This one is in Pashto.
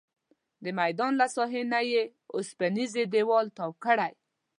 د میدان له ساحې نه یې اوسپنیز دیوال تاو کړی.